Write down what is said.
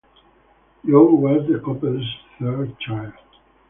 John was the couple's third child.